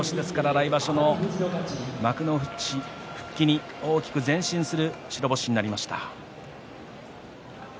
来場所の幕内復帰に大きく前進する白星となりました。